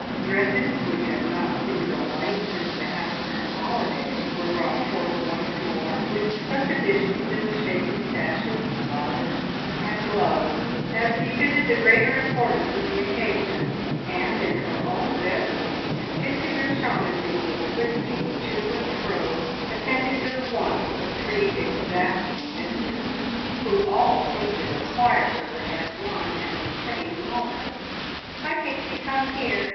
Dresses which had not seen the light since the half term holiday were brought forth once more, with such additions in the shape of sashes, flowers, and gloves as befitted the greater importance of the occasion, and in her own bedroom Pixie O'Shaughnessy was whisking to and fro, attending to the wants of three exacting mistresses, who all seemed to require her at one and the same moment. "Hi, Pixie, come here!